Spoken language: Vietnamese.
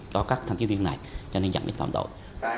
do các tham dự viên này cho nên chẳng bị tạm tội